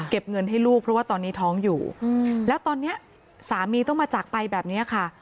เงินให้ลูกเพราะว่าตอนนี้ท้องอยู่แล้วตอนนี้สามีต้องมาจากไปแบบนี้ค่ะ